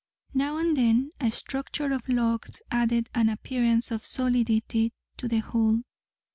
Now and then a structure of logs added an appearance of solidity to the whole.